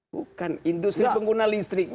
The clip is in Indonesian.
bukan industri pengguna listrik